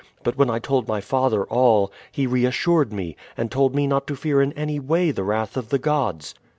But when I told my father all, he reassured me, and told me not to fear in any way the wrath of the gods."